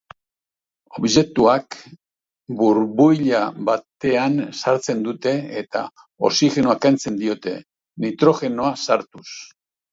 Objektuak burbuila batean sartzen dute eta oxigenoa kentzen diote, nitrogenoa sartuz.